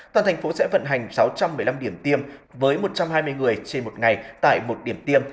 toàn thành phố sẽ vận hành sáu trăm một mươi năm điểm tiêm với một trăm hai mươi người trên một ngày tại một điểm tiêm